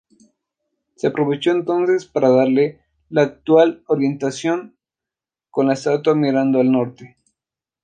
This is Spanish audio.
Se aprovechó entonces para darle la actual orientación, con la estatua mirando al norte.